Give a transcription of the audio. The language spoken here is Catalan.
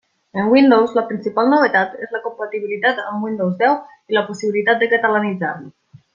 En Windows la principal novetat és la compatibilitat amb Windows deu i la possibilitat de catalanitzar-ho.